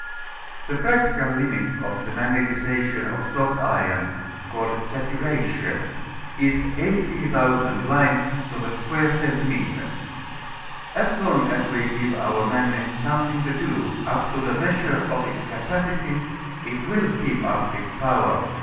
The practical limit of the magnetization of soft iron (called saturation) is 18,000 lines to the square centimeter. As long as we give our magnet something to do, up to the measure of its capacity, it will keep up its power.